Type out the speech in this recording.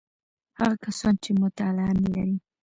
هغه کسان چې مطالعه نلري: